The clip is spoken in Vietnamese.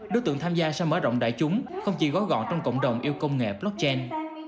đối tượng tham gia sẽ mở rộng đại chúng không chỉ gói gọn trong cộng đồng yêu công nghệ blockchain